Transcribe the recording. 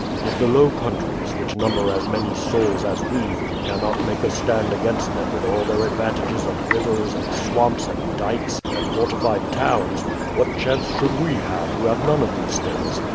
If the Low Countries, which number as many souls as we, cannot make a stand against them with all their advantages of rivers, and swamps, and dykes, and fortified towns, what chance should we have who have none of these things?